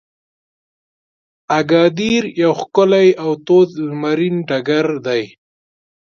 اګادیر یو ښکلی او تود لمرین ډګر دی.